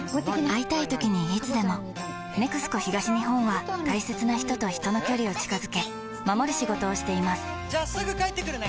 会いたいときにいつでも「ＮＥＸＣＯ東日本」は大切な人と人の距離を近づけ守る仕事をしていますじゃあすぐ帰ってくるね！